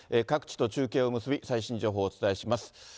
各地と中継を結び、最新情報をお伝えします。